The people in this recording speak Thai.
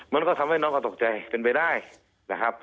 มันก็ทำให้น้องเขาตกใจเป็นไปได้นะครับ